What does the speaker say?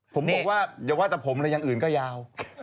ผมบอกว่าอย่าว่าแต่ผมเลยอย่างอื่นก็ยาว